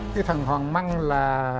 cái thằng hoàng măng là